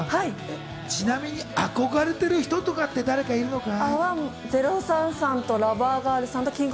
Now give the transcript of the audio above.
ちなみに憧れてる人は誰かいるのかな？